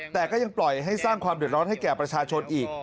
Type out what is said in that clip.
แต่ก็ยังปล่อยให้สร้างความเดือดร้อนให้แก่ประชาชนอีก